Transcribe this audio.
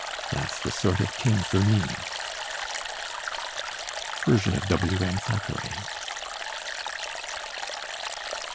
That's the sort of king for me." Version of W.M. Thackeray.